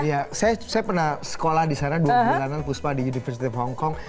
iya saya pernah sekolah di sana dua bulanan puspa di university hongkong